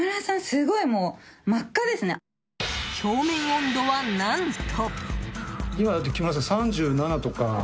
表面温度は何と。